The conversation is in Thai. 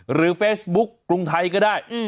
หรือเฟซบุ๊กกรุงไทยก็ได้